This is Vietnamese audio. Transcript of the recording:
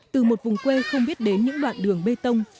từ một vùng quê không biết đến những đoạn đường bê tông